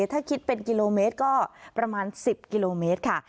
ถ้าคิดเป็นกิโลเมตรก็ประมาณ๑๐กิโลเมตรค่ะ